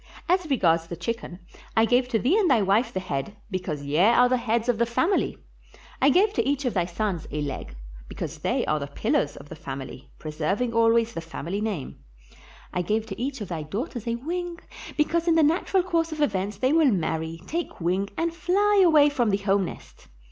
As regards the chicken, I gave to thee and thy wife the head, because ye are the heads of the family; I gave to each of thy sons a leg, because they are the pillars of the family, preserving always the family name; I gave to each of thy daughters a wing, because in the natural course of events they will marry, take wing, and fly away from the home nest.